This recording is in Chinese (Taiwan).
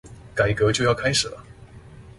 改革就要開始了